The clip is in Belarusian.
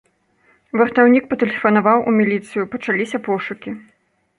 Вартаўнік патэлефанаваў у міліцыю, пачаліся пошукі.